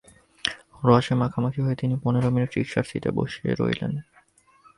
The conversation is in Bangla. রসে মাখামাখি হয়ে তিনি পনের মিনিট রিকশার সিটে বসে রইলেন।